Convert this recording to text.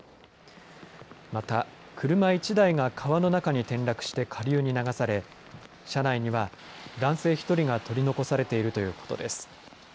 また、車１台が川の中に転落して下流に流され、車内には男性１人が取り残されているということです。